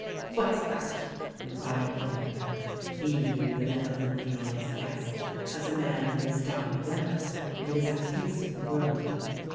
"What's that?" enquired the banker, beaming benevolently on his guest, as a man who has dined well and is at peace with the world.